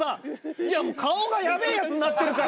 いやもう顔がやべえやつなってるから。